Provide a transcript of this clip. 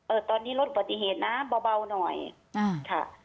เออตอนนี้รถปฏิเชษน้าเบาเบาหน่อยอ่าค่ะ